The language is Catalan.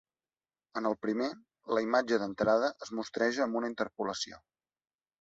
En el primer, la imatge d'entrada es mostreja amb una interpolació.